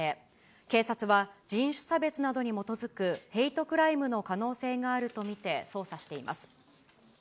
警察は人種差別などに基づくヘイトクライムの可能性があると見て捜査しています。